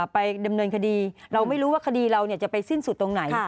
ไปดำเนินคดีเราไม่รู้ว่าคดีเราจะไปสิ้นสุดตรงไหน